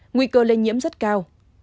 nguy cơ lây nhiễm rất cao